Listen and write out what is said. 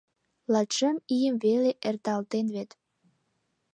Латшым ийым веле эрталтен вет!